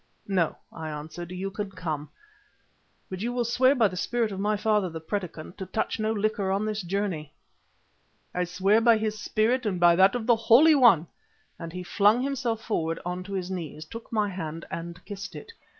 "No," I answered, "you can come. But you will swear by the spirit of my father, the Predikant, to touch no liquor on this journey." "I swear by his spirit and by that of the Holy One," and he flung himself forward on to his knees, took my hand and kissed it.